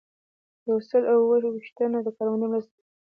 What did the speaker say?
یو سل او اووه پوښتنه د کارموندنې مرسته ده.